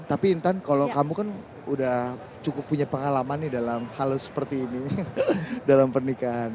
tapi intan kalau kamu kan udah cukup punya pengalaman nih dalam hal seperti ini dalam pernikahan